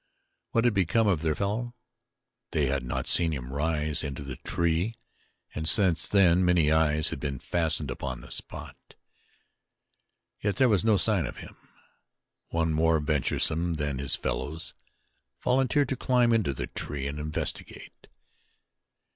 What had become of their fellow? They had seen him rise into the tree and since then many eyes had been fastened upon the spot, yet there was no sign of him. One, more venturesome than his fellows, volunteered to climb into the tree and investigate.